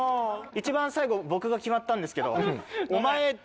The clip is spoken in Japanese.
一番最後僕が決まったんですけど。